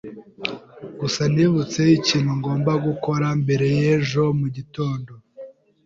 Gusa nibutse ikintu ngomba gukora mbere y'ejo mu gitondo.